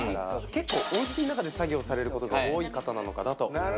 結構おうちの中で作業されることが多い方なのかなと。